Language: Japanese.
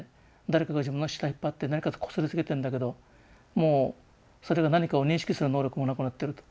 誰かが自分の舌引っ張って何かこすりつけてんだけどもうそれが何かを認識する能力もなくなってると。